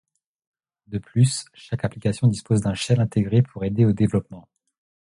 De plus, chaque application dispose d'un shell intégré pour aider au développement.